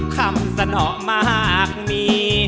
คำสะหนอมากมี